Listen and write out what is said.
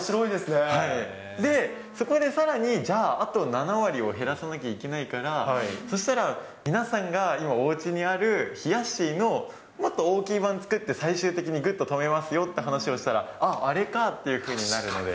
で、そこでさらに、じゃあ、あと７割を減らさなきゃいけないから、そしたら皆さんが今、おうちにあるひやっしーのもっと大きい盤作って最終的にぐっと止めますよっていう話をしたら、あ、あれかっていうふうになるので。